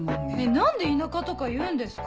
何で「田舎」とか言うんですか？